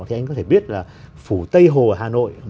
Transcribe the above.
thì anh có thể biết là phủ tây hồ hà nội